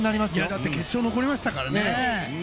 だって決勝に残りましたしね。